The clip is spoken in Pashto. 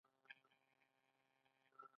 ایا زما عملیات به کامیابه وي؟